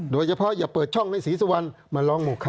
โดยเฉพาะอย่าเปิดช่องในศรีสวรรค์มาร้องโมคะ